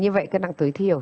như vậy cân nặng tối thiểu